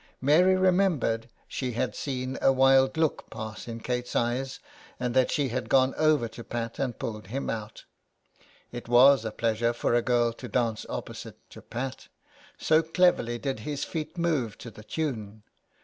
Mary remembered she had seen a wild look pass in Kate's eyes, and that she had gone over to Pat and pulled him out. It was a pleasure for a girl to dance opposite to Pat, so cleverly did his feet move to the tune.